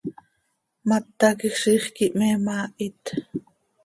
Mata quij ziix quih me maahit.